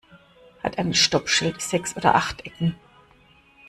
Hat ein Stoppschild sechs oder acht Ecken?